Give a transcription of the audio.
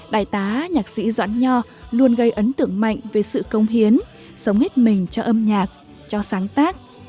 đại tá nhạc sĩ doãn nho luôn gây ấn tượng mạnh về sự công hiến sống hết mình cho âm nhạc cho sáng tác